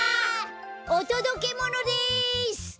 おとどけものです！